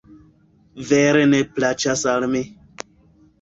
Vere ne plaĉas al mi